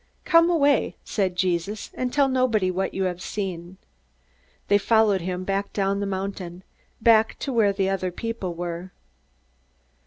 "Come away," said Jesus, "and tell nobody what you have seen." They followed him down the mountain, back to where other people were.